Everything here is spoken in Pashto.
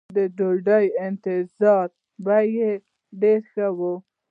د ډوډۍ انتظام به یې ډېر ښه و.